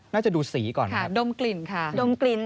น่าจะดูสีก่อนค่ะดมกลิ่นค่ะดมกลิ่น